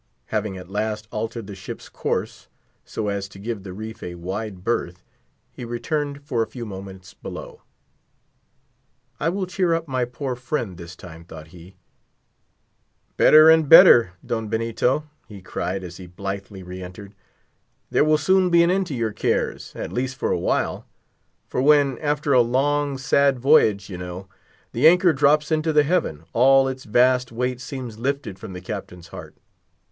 Having at last altered the ship's course, so as to give the reef a wide berth, he returned for a few moments below. I will cheer up my poor friend, this time, thought he. "Better and better," Don Benito, he cried as he blithely re entered: "there will soon be an end to your cares, at least for awhile. For when, after a long, sad voyage, you know, the anchor drops into the haven, all its vast weight seems lifted from the captain's heart.